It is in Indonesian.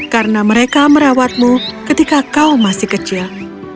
karena mereka merawatmu ketika kau masih kecil